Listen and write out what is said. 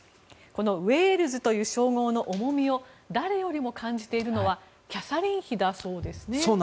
このウェールズという称号の重みを誰よりも感じているのはキャサリン妃だそうですね。